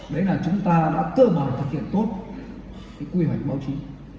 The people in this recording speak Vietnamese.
đấy là chúng ta đã cơ bản thực hiện tốt cái quy hoạch báo chí